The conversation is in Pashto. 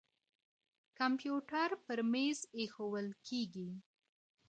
کمپيوټر پر مېز ايښوول کيږي.